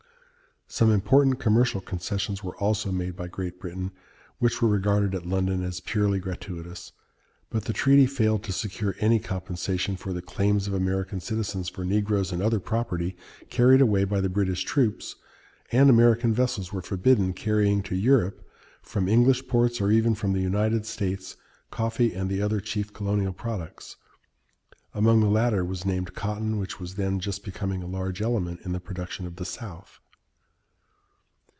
Some important commercial concessions were also made by Great Britain, which were regarded at London as purely gratuitous. But the treaty failed to secure any compensation for the claims of American citizens for negroes and other property carried away by the British troops, and American vessels were forbidden carrying to Europe from English ports or even from the United States coffee and the other chief colonial products. Among the latter was named cotton, which was then just becoming a large element in the production of the South.